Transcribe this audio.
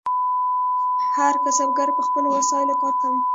هر کسبګر به په خپلو وسایلو کار کاوه.